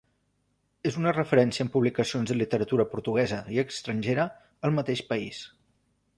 És una referència en publicacions de literatura portuguesa i estrangera al mateix país.